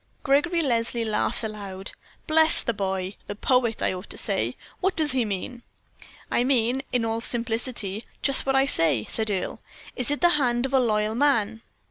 Gregory Leslie laughed aloud. "Bless the boy the poet, I ought to say; what does he mean?" "I mean, in all simplicity, just what I say," said Earle. "Is it the hand of a loyal man?"